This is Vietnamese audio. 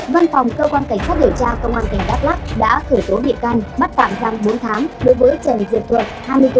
văn phòng cơ quan cảnh sát điều tra công an cảnh đắk lắk đã khởi tố bị can bắt tạm răng bốn tháng đối với trần diệp thuật hai mươi tuổi